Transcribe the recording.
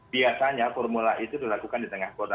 biasanya formula itu dilakukan di tengah kota